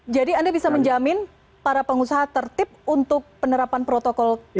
jadi anda bisa menjamin para pengusaha tertip untuk penerapan protokol kesehatan ini